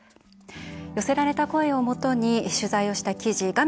寄せられた声をもとに取材をした記事画面